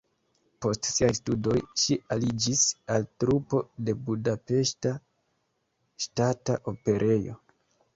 Post siaj studoj ŝi aliĝis al trupo de Budapeŝta Ŝtata Operejo.